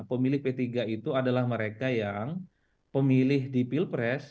pemilih p tiga itu adalah mereka yang pemilih di pilpres